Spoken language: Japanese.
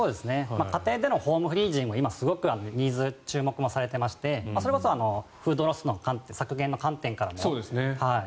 家庭でのホームフリージングも注目されてましてそれこそフードロス削減の観点からも。